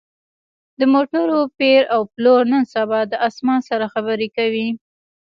د موټرو پېر او پلور نن سبا د اسمان سره خبرې کوي